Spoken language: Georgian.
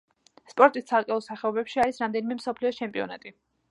სპორტის ცალკეულ სახეობებში არის რამდენიმე მსოფლიოს ჩემპიონატი.